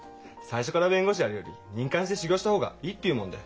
最初から弁護士やるより任官して修業した方がいいって言うもんで。